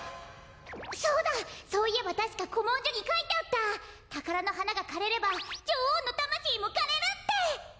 そうだそういえばたしかこもんじょにかいてあった「たからのはながかれればじょおうのたましいもかれる」って！